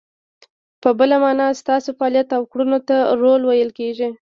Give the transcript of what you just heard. په بله مانا، ستاسو فعالیت او کړنو ته رول ویل کیږي.